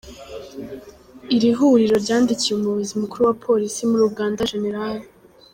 Iri huriro ryandikiye Umuyobozi mukuru wa Polisi muri Uganda Gen.